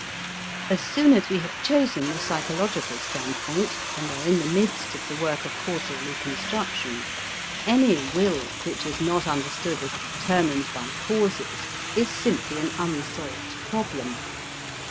As soon as we have chosen the psychological standpoint and are in the midst of the work of causal reconstruction, any will which is not understood as determined by causes is simply an unsolved problem.